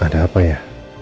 ada apa ya